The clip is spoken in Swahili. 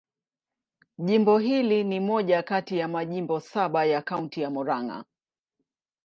Jimbo hili ni moja kati ya majimbo saba ya Kaunti ya Murang'a.